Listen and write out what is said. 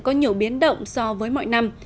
có nhiều biến động so với mọi năm